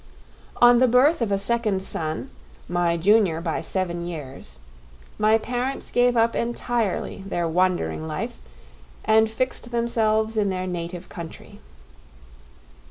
On the birth of a second son, my junior by seven years, my parents gave up entirely their wandering life and fixed themselves in their native country.